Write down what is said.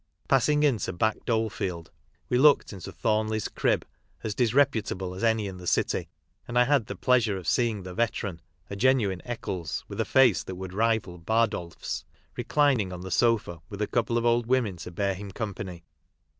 Passing into Back Dole field we looked into Thornley's "crib," as disre putable as any in the city, and I had the pleasure of seeing the veteran, a genuine "Eccles," with a face that would rival Bardolph's, reclining on the sofa with a couple of old women to bear him company.